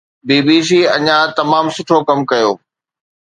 بي B C اڃا تمام سٺو ڪم ڪيو.